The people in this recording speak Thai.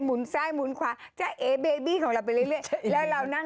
หมุนซ้ายหมุนขวาจะเอเบบี้ของเราไปเรื่อย